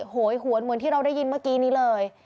โหยหวนเหมือนที่เราได้ยินเมื่อกี้นี้เลย